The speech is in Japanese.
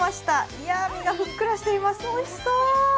いや、身がふっくらしてておいしそう。